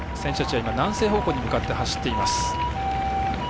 南西方向に向かって走っています。